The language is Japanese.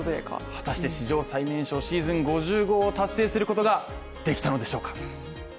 果たして日本の最年少、シーズン５０号を達成することはできたんでしょうか。